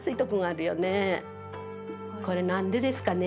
これ何でですかね？